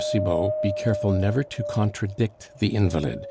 Cibot, be careful never to contradict the invalid.